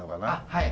はい。